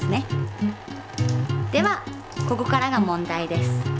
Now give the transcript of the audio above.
ではここからが問題です。